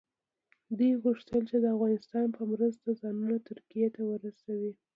دوی غوښتل چې د افغانستان په مرسته ځانونه ترکیې ته ورسوي.